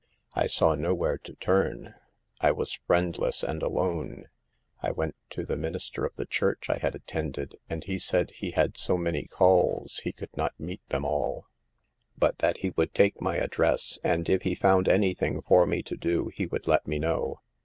I saw nowhere to turn. I was friendless and alone. I went to the min ister of the church I had attended, and he said he had so many calls he could not meet them all, but that he would take my address, and if he found anything for me to do he would let me know.